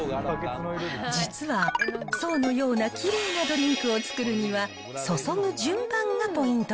実は、層のようなきれいなドリンクを作るには、注ぐ順番がポイント